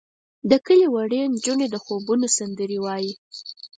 د کلي وړې نجونې د خوبونو سندرې وایې.